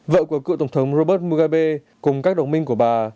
vợ của cựu tổng thống robert mugabe cùng các đồng minh của bà